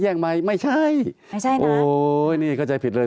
ตั้งแต่เริ่มมีเรื่องแล้ว